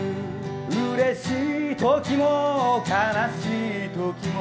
うれしい時も悲しい時も。